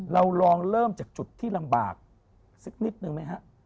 เราลองเริ่มจากจุดที่ลำบากสักนิดนึงไหมฮะ